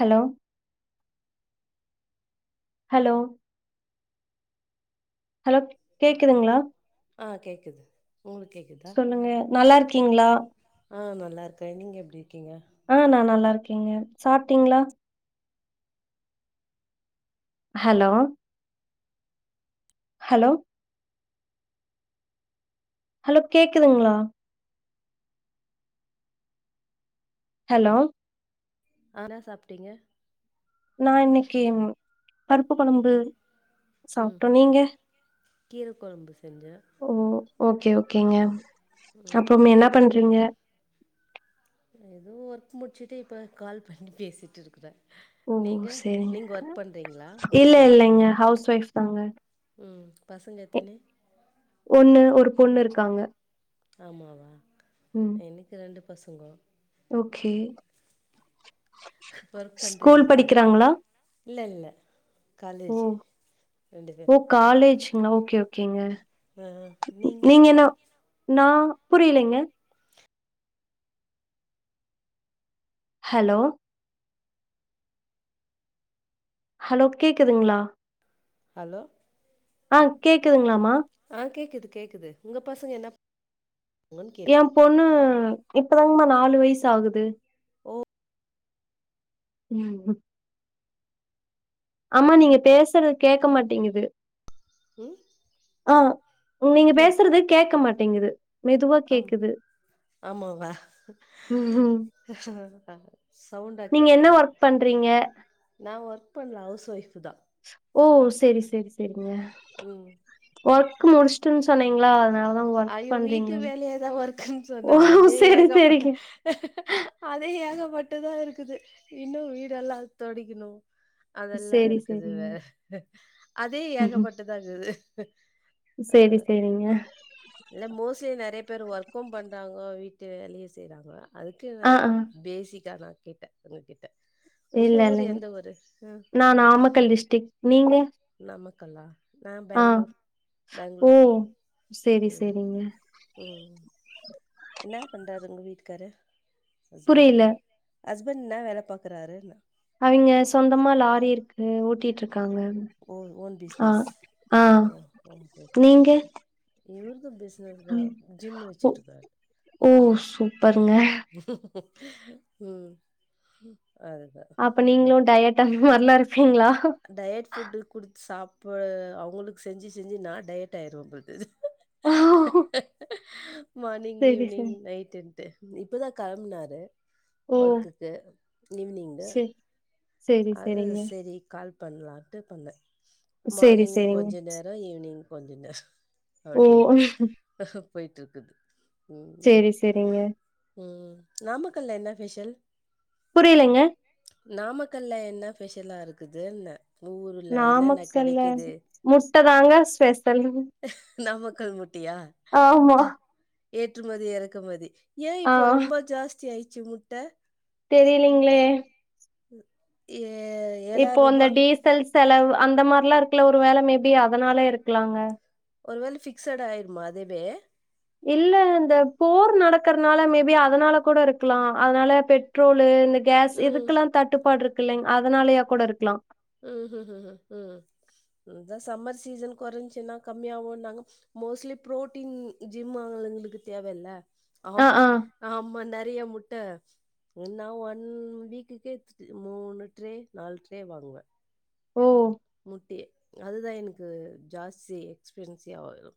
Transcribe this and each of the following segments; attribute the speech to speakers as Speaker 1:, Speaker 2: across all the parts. Speaker 1: Hello hello hello கேக்குதுங்களா
Speaker 2: ஆ கேக்குது உங்களுக்கு கேக்குதா
Speaker 1: சொல்லுங்க. நல்லா இருக்கீங்களா?
Speaker 2: ஆ நல்லாருக்கே நீங்க எப்டி இருக்கீங்க
Speaker 1: ஆ நா நல்லா இருக்கேங்க சாப்ட்டீங்களா ஹலோ ஹலோ ஹலோ கேக்குதுங்களா ஹலோ
Speaker 2: ஆ என்னா சாப்ட்டீங்க
Speaker 1: நா இன்னைக்கு பருப்பு கொழம்பு சாப்ட்டோ நீங்க
Speaker 2: கீரைக்கொழம்பு செஞ்ச
Speaker 1: ஓ ஓக்கே ஓக்கேங்க
Speaker 2: ம்
Speaker 1: அப்புறம் என்ன
Speaker 2: தொட்டுக்கத்
Speaker 1: பண்றீங்க
Speaker 2: எதோ ஒர்க் முடிச்சுட்டு இப்போ கால் பண்ணி பேசிட்டு இருக்குற
Speaker 1: ஓ!
Speaker 2: நீங்க
Speaker 1: சரிங்க.
Speaker 2: நீங்க ஒர்க் பண்றீங்களா
Speaker 1: இல்ல
Speaker 2: ஹவுஸ் ஒய்ஃபா
Speaker 1: இல்லைங்க. ஹவுஸ் ஒய்ஃப் தாங்க.
Speaker 2: ஆ பசங்க
Speaker 1: எ
Speaker 2: எத்தினி
Speaker 1: ஒண்ணு ஒரு பொண்ணு இருக்காங்க
Speaker 2: ஆமாவா எனக்கு ரெண்டு பசங்கோ
Speaker 1: ஓக்கே ஸ்கூல் படிக்கிறாங்களா
Speaker 2: இல்லல்ல
Speaker 1: ஓ
Speaker 2: பேரு
Speaker 1: ஓ காலேஜுங்க ஓக்கே ஓக்கேங்க
Speaker 2: ஆ நீங்க
Speaker 1: நா புரியலைங்க ஹலோ ஹலோ கேக்குதுங்களா
Speaker 2: ஹலோ
Speaker 1: ஆ கேக்குதுங்களாமா
Speaker 2: ஆ கேக்குது கேக்குது உங்க பசங்க என்னப் [inaudible] கேட்ட
Speaker 1: ஏ பொண்ணு இப்பதாங்கமா நாலு வயசு ஆகுது
Speaker 2: ஓ
Speaker 1: ம் ஆமா நீங்க பேசறது கேட்க மாட்டிங்குது
Speaker 2: ம்
Speaker 1: ஆ நீங்க
Speaker 2: பிளே
Speaker 1: பேசுறது கேட்க மாட்டிங்குது
Speaker 2: ஆமா ஆமாவ
Speaker 1: ம்ஹ்ம்.
Speaker 2: சவுண்ட்டு அ
Speaker 1: நீங்க என்ன ஒர்க் பண்றீங்க
Speaker 2: நா ஒர்க் பண்ணல ஹவுஸ் ஒய்ஃபு தா
Speaker 1: ஓ செரி செரி செரிங்க
Speaker 2: ம்
Speaker 1: ஒர்க் முடிச்சுட்டுன்னு சொன்னீங்களா அதனாலதா ஒர்க்
Speaker 2: ஐயோ
Speaker 1: பண்றீங்
Speaker 2: வீட்டு வேலைய தா ஒர்க்குன்னு சொன்னே அதே
Speaker 1: செரி
Speaker 2: ஏகப்ப
Speaker 1: செரிங்க.
Speaker 2: அதே ஏகப்பட்டதா இருக்குது இன்னு வீடெல்லா தொடைக்கணு அதெல்லா
Speaker 1: செரி
Speaker 2: இருக்குது
Speaker 1: செரிங்க.
Speaker 2: வேற அதே ஏகப்பட்டதா இருக்குது ஆ
Speaker 1: செரி செரிங்க.
Speaker 2: இல்ல மோஸ்ட்லி நெறைய பேர் ஒர்க்கு பண்றாங்கோ வீட்டு வேலையு செய்யறாங்கோ அதுக் குவ
Speaker 1: ஆ ஆ
Speaker 2: பேசிக்காதா கேட்டே உங்க கிட்ட
Speaker 1: இல்ல
Speaker 2: உங்க ஊரு
Speaker 1: இல்லங்க.
Speaker 2: எந்த ஊரு ஆ
Speaker 1: நா நாமக்கல் டிஸ்ட்டிக் நீங்க
Speaker 2: நாமக்கலா நா
Speaker 1: ஆ
Speaker 2: பேங்ளூர்
Speaker 1: ஓ!
Speaker 2: பேங்ளூர்
Speaker 1: சரி,
Speaker 2: ம்
Speaker 1: சரிங்க.
Speaker 2: ம் ம் இன்னா பண்றாரு உங்க வீட்டுக்காரு ஹஸ்பண்ட்
Speaker 1: புரியல.
Speaker 2: ஹஸ்பண் இன்னா வேல பாக்குறாருன்ன
Speaker 1: அவிங்க சொந்தமா லாரி இருக்கு ஓட்டிட்ருக்காங்க
Speaker 2: ஓ ஓன்
Speaker 1: ஆ,
Speaker 2: பிஸ்னஸ் ஆ ஓகே ஓகே
Speaker 1: நீங்க?
Speaker 2: இவ்ரது பிஸ்னஸ்தா
Speaker 1: ம்.
Speaker 2: ஜிம்மு
Speaker 1: ஓ
Speaker 2: வெச்சிட்ருக்ராரு
Speaker 1: ஓ சூப்பருங்க
Speaker 2: ம் அதுதா
Speaker 1: அப்ப நீங்ளு
Speaker 2: ம்
Speaker 1: டயட் அந்த மாரிலா இருப்பீங்ளா
Speaker 2: டயட் ஃபுட்டு குடுத் சாப்ப அவுங்களுக் செஞ்சி செஞ்சி நா டயட் ஆய்ருவே போல் தெர்து
Speaker 1: ஓ!
Speaker 2: மார்னிங்
Speaker 1: சரி,
Speaker 2: ஈவினிங்
Speaker 1: சரி.
Speaker 2: நைட்டுன்டு இப்பதா களம்ப்னாரு
Speaker 1: ஓ!
Speaker 2: ஒர்க்குக்கு ஈவ்னிங்கு
Speaker 1: சரி, சரி,
Speaker 2: அது
Speaker 1: சரிங்க.
Speaker 2: செரி கால் பண்ணலான்ட்டு பண்ண
Speaker 1: சரி,
Speaker 2: மார்னிங்
Speaker 1: சரிங்க.
Speaker 2: கொஞ்ச நேர ஆ ஈவினிங் கொஞ்ச நேர
Speaker 1: ஓ!
Speaker 2: அப்டின்ட்டு போய்ட்ருக்குது ம்
Speaker 1: சரி, சரிங்க.
Speaker 2: ம் நாமக்கல்ல என்ன ஃபெஷல்
Speaker 1: புரியலங்க
Speaker 2: நாமக்கல்ல என்ன ஃபெஷலா இருக்குதுன்ன ஊருல என்னன்ன
Speaker 1: நாமக்கல்ல
Speaker 2: கெடைக்குது
Speaker 1: முட்ட தாங்க ஸ்பெஷல்.
Speaker 2: நாமக்கல் முட்டையா
Speaker 1: ஆமா.
Speaker 2: ஏற்றுமதி எறக்குமதி ஏ
Speaker 1: ஆ
Speaker 2: இப்போ ரொம்ப ஜாஸ்தியாச்சு முட்ட
Speaker 1: தெரியலிங்ளே
Speaker 2: ஏ
Speaker 1: இப்போ
Speaker 2: ரூ.
Speaker 1: அந்த டீசல் செலவு அந்த மாரிலா இருக்குல ஒரு வேள மேபி அதனால இருக்கலாங்க
Speaker 2: ஒருவேள ஃபிக்சட் ஆயிருமா அதவே
Speaker 1: இல்ல இந்த போர் நடக்கறனால மேபி அதனால கூட இருககலா அதனால பெட்ரோலு இந்த கேஸ்
Speaker 2: ம்.
Speaker 1: இதுக்கெல்லா தட்டுப்பாடுருக்கு இல்லைங் அதனாலயா கூட இருக்லா
Speaker 2: ம் ம் ம் ம் ம் ம் இதா சம்மர் சீசன் கொறஞ்சுன்னா கம்மியாகுன்னாங்க மோஸ்ட்லி பு்ரோட்டீன் ஜிம் ஆளுங்களுக்கு தேவ இல்ல
Speaker 1: ஆ,
Speaker 2: அவுங்க
Speaker 1: ஆ.
Speaker 2: ஆமா நெறைய முட்ட நா ஒன் வீக்குக்கே த் மூணு ட்ரே நால் ட்ரே வாங்குவே
Speaker 1: ஓ
Speaker 2: முட்டயே அதுதா எனக்கு ஜாஸ்தி எக்ஸ்பென்சே ஆகு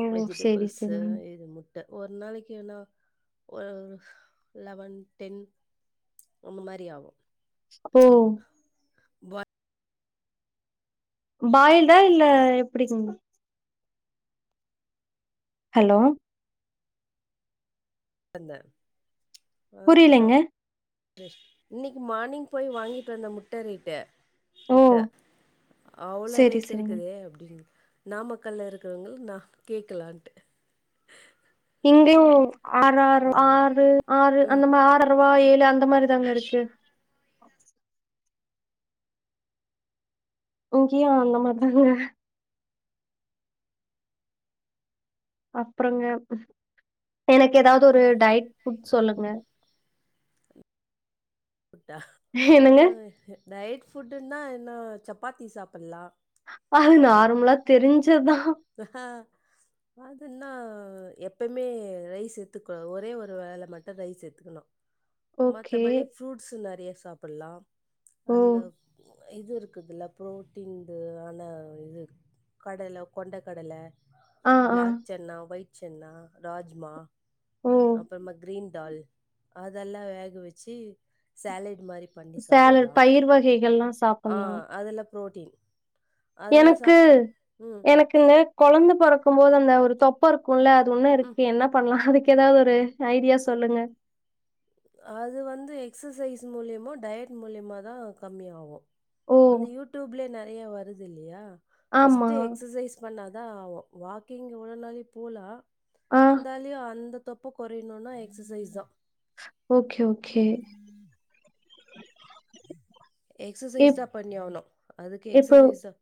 Speaker 1: ஓ! சரி,
Speaker 2: வெஜிடபிள்ஸ்
Speaker 1: சரிங்க.
Speaker 2: இது முட் ட ஒரு நாளைக்கின்னா ஒரு லெவன் டென் அந்த மாரி ஆவு
Speaker 1: ஓ பாயில்டா இல்ல எப்படிங் ஹலோ
Speaker 2: அந்த அது பத்தா
Speaker 1: புரியலைங்க.
Speaker 2: இன்னைக்கி மார்னிங் போய் வாங்கிட்டு வந்த முட்ட ரேட்டு
Speaker 1: ஓ!
Speaker 2: முட்ட அவ்ளோ
Speaker 1: சரி, சரிங்க.
Speaker 2: ரேட்டுருக்குதே அப்டின் நாமக்கல்ல இருக்கிறவங்கள் நா கேக்கலான்ட்டு
Speaker 1: இங்கயு ஆறாரு
Speaker 2: ம்
Speaker 1: ஆறு ஆறு
Speaker 2: ம்
Speaker 1: அந்த மா ஆறா ருவா ஏழு அந்த மாரி தாங்க இருக்கு இங்கயு அந்த மாரிதாங்க அப்புறங்க எனக்கு எதாவது ஒரு டயட் ஃபுட் சொல்லுங்க
Speaker 2: ஃபுட்டா
Speaker 1: என்னங்க?
Speaker 2: டயட் ஃபுட்டுன்னா என்ன சப்பாத்தி சாப்பில்லா
Speaker 1: அது நார்மலா தெரிஞ்சத்தா
Speaker 2: சஹ அதன்னா எப்பம்மே ரைஸ் சேத்துக்கொள்ள ஒரே ஒரு வேல மட்டு ரைஸ் சேத்துக்கணு
Speaker 1: ஓகே.
Speaker 2: மத்தபடி ஃப்ரூட்ஸ் நெறைய சாப்புட்லா
Speaker 1: ஓ!
Speaker 2: அந்த இது இருக்குதுல புரோட்டீன்து ஆன இது கடல கொண்ட கடல
Speaker 1: ஆ, ஆ.
Speaker 2: பிளாக் சென்னா ஒயிட் சென்னா ராஜ்மா
Speaker 1: ஓ!
Speaker 2: அப்றமா கிரீன் டால் அதெல்லா வேக வச்சி சலேட் மாரி பண்ணி
Speaker 1: சாலட்
Speaker 2: சாப்பில்லா
Speaker 1: பயிர் வகைகள்லாம்
Speaker 2: அ
Speaker 1: சாப்பிடலாம்.
Speaker 2: அதெல்ல புரோட்டீன் அதெல்லாம்
Speaker 1: எனக்கு
Speaker 2: சாப்ட்டு ம்
Speaker 1: எனக் ஏங்க குழந்த பொறக்கும்போது அந்த ஒரு தொப்ப இருக்குல்ல அது இன்னு
Speaker 2: ம்
Speaker 1: இருக்கு என்ன பண்லா அது இங்கு ஏதா ஒரு ஐடியா சொல்லுங்க
Speaker 2: அது வந்து எக்சசைஸ் மூலியமோ டயட் மூலியமாதா கம்மியாகு
Speaker 1: ஓ!
Speaker 2: அந்த யூடுயூப்லயே நெறைய வருதில்லையா
Speaker 1: ஆமா.
Speaker 2: பஸ்ட்டு எக்சசைஸ் பண்ணாதா வாக்கிங் எவ்ளோனாலி போலா
Speaker 1: ஆ.
Speaker 2: இந்தாலயு அந்த தொப்ப கொறையணுன்னா எக்ஸசைதா
Speaker 1: ஓகே ஓகே
Speaker 2: எக்ஸசைஸ்
Speaker 1: இப்
Speaker 2: தா பண்ணியாவனு அதுக்கு எக்ஸசைஸ் தா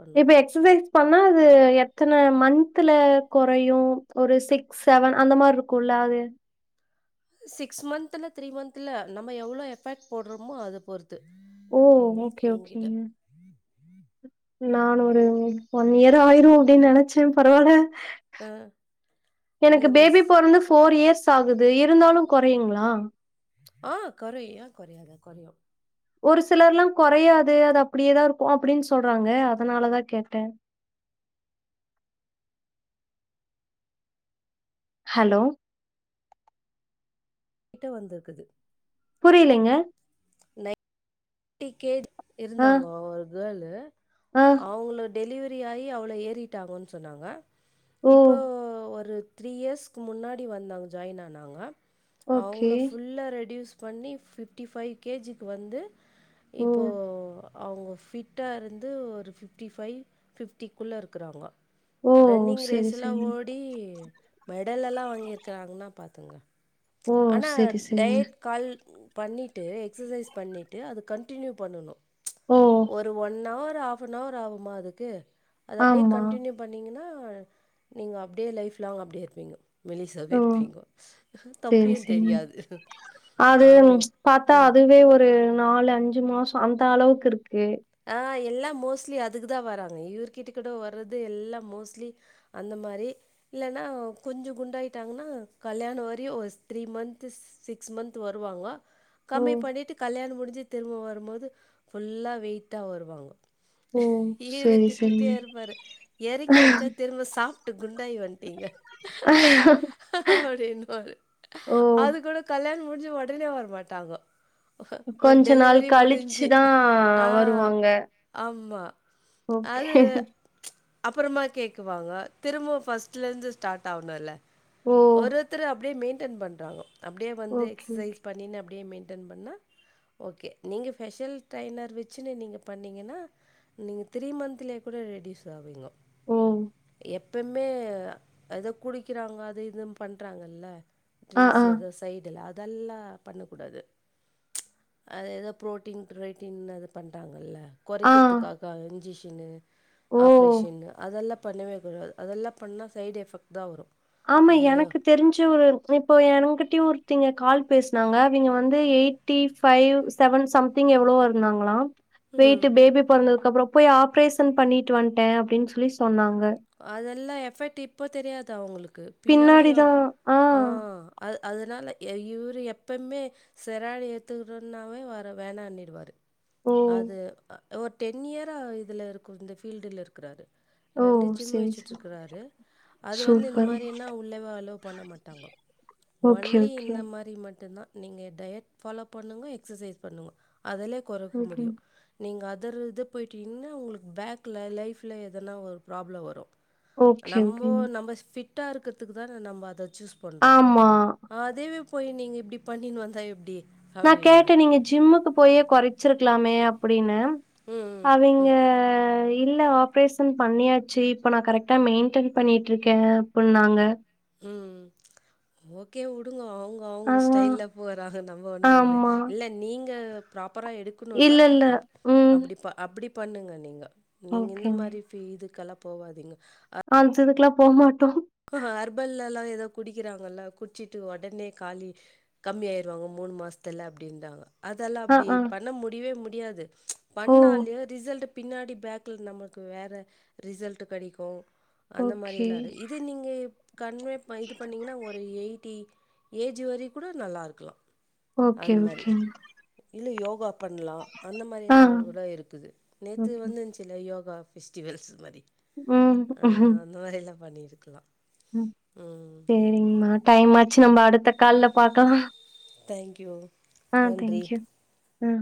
Speaker 2: பண்ணும்
Speaker 1: எக்சசைஸ் பண்ணா அது எத்தன மந்துல கொறையு ஒரு சிக் செவன் அந்த மார்ருக்குல்ல அது
Speaker 2: சிக்ஸ் மந்த்துல த்ரீ மந்த்துல நம்ம எவ்ளோ எஃபெட் போட்றோமோ அத பொறுத்
Speaker 1: ஓ ஓகே ஓகேங்க நான் ஒரு ஒன் இயர் ஆயிரு அப்டின்னு நெனச்சே பரவால்ல
Speaker 2: ஆ
Speaker 1: எனக்கு
Speaker 2: இல்லை
Speaker 1: பேபி
Speaker 2: ஒரு
Speaker 1: போறந்து போஃர் இயர்ஸ் ஆகுது இருந்தாலு கொறையுங்ளா
Speaker 2: ஆ கொறயு ஏ கொறையாது கொறையு
Speaker 1: ஒரு சிலர் ல்லா குறையாது அது அப்டியேதா இருக்கு அப்டின்னு சொல்றாங்க அதனாலதா கேட்டே ஹலோ
Speaker 2: கிட்ட வந்துர்க்குது
Speaker 1: புரியலேங்க
Speaker 2: டி கே
Speaker 1: ஆ
Speaker 2: இருந்தாங்கோ ஒரு கேளு
Speaker 1: ஆ
Speaker 2: அவங்கள டெலிவரி ஆயி அவ்ளோ ஏறிட்டாங்கன்னு சொன்னாங்க
Speaker 1: ஓ
Speaker 2: இப்போ ஒரு த்ரீ இயர்ஸ்க்கு முன்னாடி வந்தாங்க ஜாயின் ஆனாங்க
Speaker 1: ஓகே
Speaker 2: அவங்கள ஃபுல்லா ரெட்யூஸ் பண்ணி ஃபிப்டி ஃபைவ் கேஜிக்கு வந்து
Speaker 1: ஓ
Speaker 2: இப்போ அவங்க ஃபிட்டா ருந்து ஒரு ஃபிஃப்டி ஃபைவ் ஃபிஃப்டிக்குள்ள இருக்குறாங்கொ
Speaker 1: ஓ
Speaker 2: ரன்னிங்
Speaker 1: செரி
Speaker 2: ரேஸ்ஸெலா
Speaker 1: செரிங்க
Speaker 2: ஓடி மெடலெல்லா வாங்கியிருக்குறாங்னா பாத்துக்கங்க
Speaker 1: ஓ
Speaker 2: ஆனா
Speaker 1: செரி செரிங்க
Speaker 2: டயட் கல் பண்ணிட்டு எக்ஸசைஸ் பண்ணிட்டு அது கன்டினியூ பண்ணணு ம்ச்
Speaker 1: ஓ
Speaker 2: ஒரு ஒன் அவர் ஹாப்னவர் ஆகுமா அதுக்கு அது அப்டியே
Speaker 1: ஆமா
Speaker 2: கண்டினியூ பண்ணீங்கன்னா நீங்க அப்டியே லைப் லாங் அப்டியே இருப்பீங்க மெலிசாவே
Speaker 1: ஓ
Speaker 2: இருப்பீங்க
Speaker 1: செரி
Speaker 2: தொப்பயு
Speaker 1: செரிங்க
Speaker 2: தெரியாது
Speaker 1: அது
Speaker 2: ஆமா.
Speaker 1: பாத்தா
Speaker 2: ம்.
Speaker 1: அதுவே ஒரு நாலு அஞ்சு மாசொ அந்த அளவுக்கு இருக்கு
Speaker 2: ஆ எல்லா மோஸ்ட்லி அதுக்கு தா வராங்க இவரு கிட்ட கூடி வர்றது எல்லா மோஸ்ட்லி அந்த மாரி இல்லன்னா கொஞ்ச குண்டாயிட்டாங்னா கல்யாண வரையு ஒரு த்ரீ மந்த்து சிக்ஸ் மந்த் வருவாங்கொ
Speaker 1: ஓ
Speaker 2: கம்மி பண்ணிட்டு கல்யாணம் முடிஞ்சு திரும்ப வரும்போது ஃபுல்லா வெயிட்டா வருவாங்க
Speaker 1: ஓ
Speaker 2: இவ்ரு
Speaker 1: செரி
Speaker 2: திட்டிட்டே
Speaker 1: செரிங்க
Speaker 2: இருப்பாரு எறக்கி அம்ச்சா திரும்ப சாப்ட்டு குண்டாயி வன்ட்டீங்க அப்டின்னுவாரு
Speaker 1: ஓ!
Speaker 2: அது கூட கல்யாணம் முடிஞ்சு உடனே வரமாட்டாங்கோ ஒரு
Speaker 1: கொஞ்ச
Speaker 2: டெலிவரி முடிஞ்சு ஆ
Speaker 1: உங்க
Speaker 2: ஆமா அது அப்பறமா கேக்குவாங்க திரும்பவு ஃபர்ஸ்ட்ல இருந்து ஸ்டார்ட் ஆவணுல்ல
Speaker 1: ஓ!
Speaker 2: ஒருத்தொரு அப்டியே மெயின்டென் பண்றாங்கோ அப்டியே வந்து
Speaker 1: ஓகே, ஓகே.
Speaker 2: எக்ஸசைஸ் பண்ணின்னு அப்டியே மெயின்டன் பண்ணா ஓகே நீங்கள் ஸ்பெஷல் ட்ரைனர் வச்சுனு நீங்க பண்ணீங்கன்னா நீங்க த்ரீ மந்த்லே கூட ரெடியூஸ் ஆவீங்கோ
Speaker 1: ஓ!
Speaker 2: எப் எப்பமே எதோ குடிக்கிறாங்க அது இது பண்றாங்கல்ல
Speaker 1: ஆ,
Speaker 2: ட்ரிங்க்ஸ்
Speaker 1: ஆ,
Speaker 2: எதோ சைடுல்ல அதெல்லா பண்ணக்கூடாது அது எதோ ப்ரோட்டீன் ட்ரேட்டின்ங்குனு எது பண்றாங்க இல்ல
Speaker 1: ஆ.
Speaker 2: குறைக்கிறதுக்காக இன்ஜெக்ஷனு
Speaker 1: ஓ!
Speaker 2: ஆப்ரேஷன் அது அதெல்லா பண்ணவே கூடாது அதெல்லா பண்ணா சைடு எஃபெக்ட் தா வரு
Speaker 1: ஆமா எனக்த் தெரிஞ்சு ஒரு இப்போ என்கிட்டயு ஒருத்திங்க கால் பேசுனாங்க அவங்க வந்து eighty five seven something எவ்வளவோ இருந்தாங்களா
Speaker 2: ம்
Speaker 1: வெயிட்டு பேபி பொறந்ததுக்கு அப்றோ போய் ஆப்ரேஷன் பண்ணிட்டு வன்டே அப்டின்னு சொல்லி சொன்னாங்க
Speaker 2: அதெல்லா எஃபெக்ட் இப்போ தெரியாது அவங்களுக்கு பின்னாடி ஆ அது அதனால எ இவரு எப்பமே செராய்டு ஏத்துவுடுறனாவே வர வேணான்னிருவாரு
Speaker 1: ஓ!
Speaker 2: அது ஒரு டென் இயரா இதுல இருக்கு இந்த ஃபீல்டுல இருக்கிறாரு
Speaker 1: ஓ
Speaker 2: ஜிம்
Speaker 1: சரி,
Speaker 2: வச்சுட்டு
Speaker 1: சரி.
Speaker 2: இருக்கிறாரு அது வந்து இந்த
Speaker 1: சூப்பர்.
Speaker 2: மாரினா உள்ளவே அலோ பண்ண மாட்டாங்க
Speaker 1: ஓகே,
Speaker 2: ஒன்லி
Speaker 1: ஓகே.
Speaker 2: இந்த மா மாரி மட்டு தா நீங்க டயட் ஃபாலோ பண்ணுங்க எக்ஸ்சசை பண்ணுங்க அதலே கொறைக்க
Speaker 1: ஓகே.
Speaker 2: முடியு நீங்க அதர் இத போய்டிட்டீங்கன்னா உங்களுக்கு பேக்ல லைஃப்ல் எதனா ஒரு ப்ராப்ளம் வரு
Speaker 1: ஓகே,
Speaker 2: நம்போ
Speaker 1: ஓகேங்க.
Speaker 2: நம்ம ஃபிட்டா இருக்கிறதுக்கு தானே நம்ம அத சூஸ் பண்றோ
Speaker 1: ஆமா.
Speaker 2: அதேவே போய் நீங்க இப்டி பண்ணின்னு வந்தா எப்டி
Speaker 1: நா கேட்டே நீங்க ஜிம்முக்கு போயே கொறச்சிருக்கலாமே அப்டினு
Speaker 2: ம் ம் ம்
Speaker 1: அவேங்க இல்ல ஆப்ரேஷன் பண்ணியாச்சு இப்ப நா கரெக்டா மெயின்டென் பண்ணிட்டு இருக்கே அப்டின்னாங்க
Speaker 2: ம் ம் ஓகே உடுங்க அவ் அவுங்க அவுங்க
Speaker 1: அதான்.
Speaker 2: ஸ்டைல்ல போறாக நம்ம ஒன்னு பண்ணமுடியாது
Speaker 1: ஆமா.
Speaker 2: இல்ல நீங்க ப்ராப்பரா எடுக் குணுனா
Speaker 1: இல்ல, இல்ல. ம்.
Speaker 2: அப்டி அப்டி பண்ணுங்க நீங்க நீங்க இந்த
Speaker 1: ஓகேங்க.
Speaker 2: மாரி ஃபி இதுக்கெல்லா போவாதீங்க அ
Speaker 1: ஆம்ஸ் இதுக்கெல்லா போமாட்டோ
Speaker 2: ஹ ஹர்பல்ல எல்லா ஏதோ குடிக்கிறாங்கல்ல குடிச்சிட்டு உடனே காலி கம்மிய ஆயிருவாங்க மூணு மாசத்துல அப்டின்டாங்க அதெல்லா
Speaker 1: அ,
Speaker 2: அப்டி
Speaker 1: ஆ. ஆ.
Speaker 2: பண்ண முடியவே முடியாது
Speaker 1: ஓ!
Speaker 2: பண்ணாலியு ரிசல்ட்டு பின்னாடி பேக்ல நம்மளுக்கு வேற ரிசல்ட் கெடைக்கு அந்த மாரி
Speaker 1: ஓகே.
Speaker 2: எல்லா இரு இ இது நீங்க கன்வே இது பண்ணீங்கன்னா ஒரு எயிட்டி ஏஜ் வரிக்கு கூட நல்லா இருக்கலாம
Speaker 1: ஓகே,
Speaker 2: அந்த மாதிரி
Speaker 1: ஓகேங்க.
Speaker 2: இல்லை யோகா பண்ணலா அந்த மாதிரி
Speaker 1: ஆ.
Speaker 2: எல்லா கூட இருக்குது நேத்து
Speaker 1: ஓகே.
Speaker 2: வந்துச்சில யோகா ஃபெஸ்டிவல்ஸ் மாதிரி
Speaker 1: ம்.
Speaker 2: அ அந்த மாதிரில்லா பண்ணிருக்கலா
Speaker 1: ம் சரிங்கம்மா டைம் ஆச்சு நம்ம அடுத்த கால்ல பாக்கலா
Speaker 2: தேங்க் யூ
Speaker 1: ஆ தேங்க்யூ உ